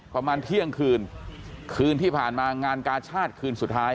ประมาณเที่ยงคืนคืนที่ผ่านมางานกาชาติคืนสุดท้าย